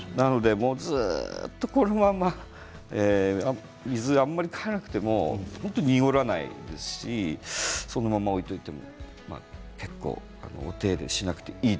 ずっとこのまま水をあんまり替えなくても本当に濁らないですしそのまま置いておいても結構お手入れしなくてもいい。